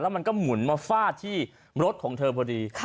มันก็หมุนมาฟาดที่รถของเธอพอดี